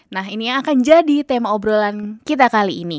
nah ini yang akan jadi tema obrolan kita kali ini